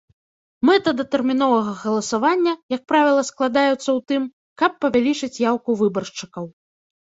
Мэта датэрміновага галасавання, як правіла, складаюцца ў тым, каб павялічыць яўку выбаршчыкаў.